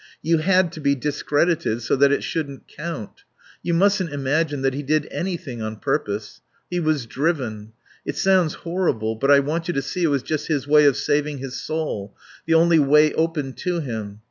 You had to be discredited so that it shouldn't count. You mustn't imagine that he did anything on purpose. He was driven. It sounds horrible, but I want you to see it was just his way of saving his soul, the only way open to him.